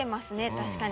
確かに。